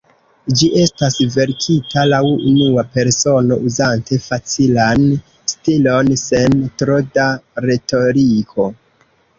Ĝi estas verkita laŭ unua persono, uzante facilan stilon, sen tro da retoriko.